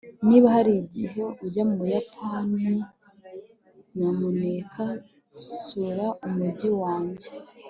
niba hari igihe ujya mu buyapani, nyamuneka sura umujyi wanjye